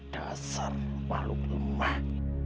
dasar makhluk lemah